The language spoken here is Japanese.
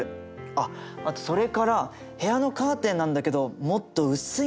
あっあとそれから部屋のカーテンなんだけどもっと薄いのに替えてくれないかな？